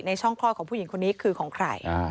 ช่องคลอดของผู้หญิงคนนี้คือของใคร